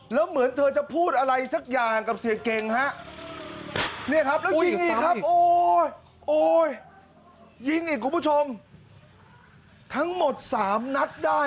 แล้วเหมือนเธอจะพูดอะไรสักอย่างกับเสียเกงฮะ